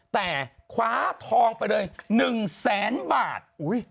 แต่คว้าทองไปเลย๑๐๐๐๐๐บาท